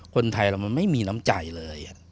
คนไทยเรามันไม่มีน้ำใจเลย